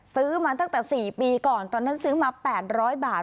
ซื้อมาตั้งแต่๔ปีก่อนตอนนั้นซื้อมา๘๐๐บาท